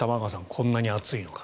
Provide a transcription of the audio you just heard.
こんなに暑いのか。